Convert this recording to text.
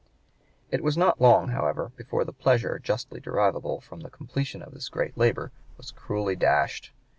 It was not long, however, before the pleasure justly derivable from the completion of this great labor was cruelly dashed.